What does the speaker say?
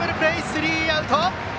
スリーアウト。